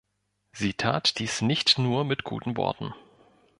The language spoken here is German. Sie tat dies nicht nur mit guten Worten.